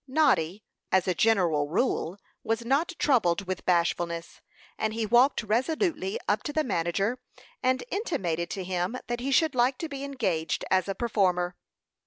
Noddy, as a general rule, was not troubled with bashfulness; and he walked resolutely up to the manager, and intimated to him that he should like to be engaged as a performer.